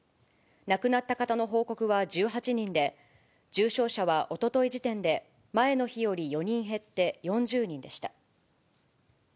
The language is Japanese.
亡くなった方の報告は１８人で、重症者はおととい時点で前の日より４人減って４０人でした。